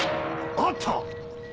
あった！